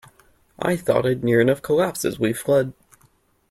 I thought I'd near enough collapse as we fled.